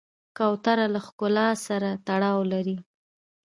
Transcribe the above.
کوتره له ښکلا سره تړاو لري.